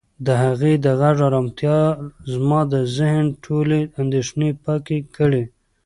د هغې د غږ ارامتیا زما د ذهن ټولې اندېښنې پاکې کړې.